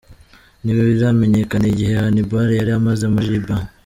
Ntibiramenyekana igihe Hannibal yari amaze muri Liban.